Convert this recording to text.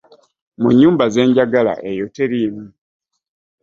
Munyumba zenjagala eyo terimu.